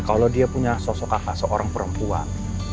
kalau dia punya sosok kakak seorang perempuan